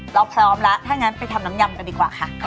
เราพร้อมแล้วถ้างั้นไปทำน้ำยำกันดีกว่าค่ะ